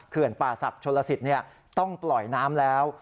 เขื่อนป่าศัพท์โชลสิตต้องปล่อยน้ำแล้ว